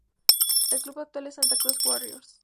Su club actual es Santa Cruz Warriors.